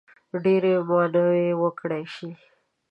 ډېرې مانورې وکړای شي.